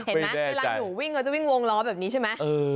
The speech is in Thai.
เห็นไหมเวลาหนูวิ่งเขาจะวิ่งวงล้อแบบนี้ใช่ไหม